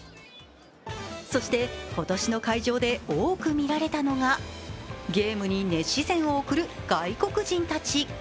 そして今年の会場で多く見られたのがゲームに熱視線を送る外国人たち。